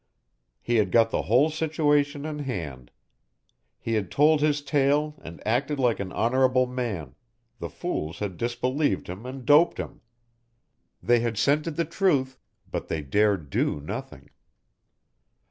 He had got the whole situation in hand. He had told his tale and acted like an honourable man, the fools had disbelieved him and doped him. They had scented the truth but they dared do nothing.